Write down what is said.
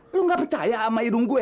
lu gak percaya sama hidung gue